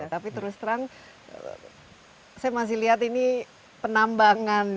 tapi terus terang saya masih lihat ini penambangan